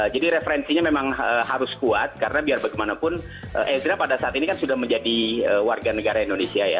jadi referensinya memang harus kuat karena biar bagaimanapun edra pada saat ini kan sudah menjadi warganegara indonesia ya